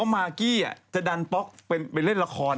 มีละครกลุ่ง่าน